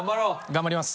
頑張ります。